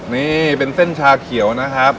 นี่เป็นเส้นชาเขียวนะครับ